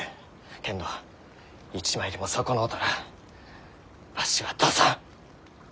けんど一枚でも損のうたらわしは出さん！